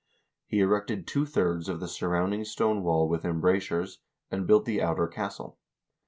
He erected two thirds of the surround ing stone wall with embrasures, and built the outer castle.